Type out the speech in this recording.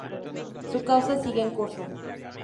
Su causa sigue en curso.